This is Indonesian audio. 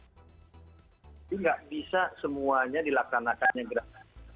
itu nggak bisa semuanya dilakukan lakannya berat